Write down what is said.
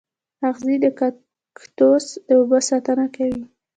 اغزي د کاکتوس د اوبو ساتنه کوي